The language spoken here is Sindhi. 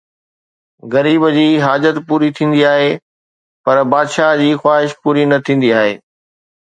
غريب جي حاجت پوري ٿيندي آهي پر بادشاهه جي خواهش پوري نه ٿيندي آهي